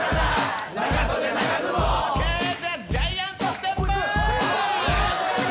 じゃジャイアントステップ！